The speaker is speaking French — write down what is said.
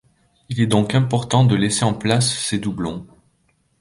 Il est donc important de laisser en place ces doublons.